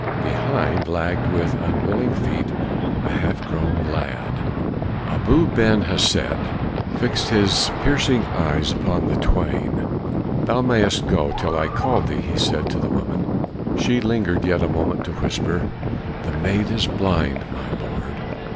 Behind lagged with unwilling feet a half grown lad. Abu Ben Hesed fixed his piercing eyes upon the twain. "Thou mayest go till I shall call thee," he said to the woman. She lingered yet a moment to whisper, "The maid is blind, my lord!"